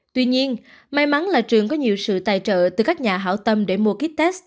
tuy nhiên may mắn là trường có nhiều sự tài trợ từ các nhà hảo tâm để mua kites